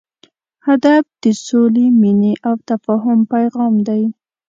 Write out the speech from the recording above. ادب د سولې، مینې او تفاهم پیغام دی.